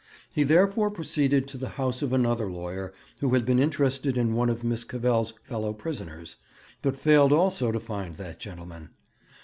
He therefore proceeded to the house of another lawyer, who had been interested in one of Miss Cavell's fellow prisoners, but failed also to find that gentleman.